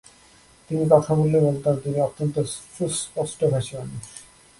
তিনি কথা বললে বলতাম, তিনি অত্যন্ত সুস্পষ্টভাষী মানুষ।